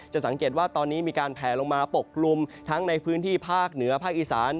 สังเกตว่าตอนนี้มีการแผลลงมาปกกลุ่มทั้งในพื้นที่ภาคเหนือภาคอีสาน